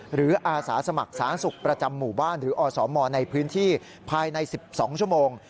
อาสาสมัครสาธารณสุขประจำหมู่บ้านหรืออสมในพื้นที่ภายใน๑๒ชั่วโมง